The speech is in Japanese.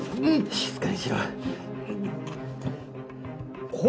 静かにしろ紘希！